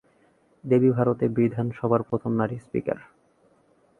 দেবী ভারতে বিধানসভার প্রথম নারী স্পীকার।